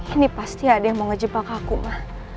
ini pasti ada yang mau ngejebak aku kan